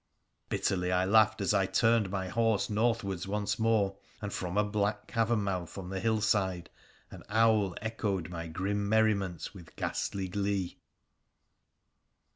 Bitterly I laughed as I turned my horse northwards once more, and from a black cavern mouth on the hillside an owl echoed my grim merriment with ghastly glee.